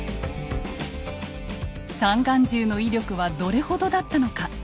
三眼銃の威力はどれほどだったのか。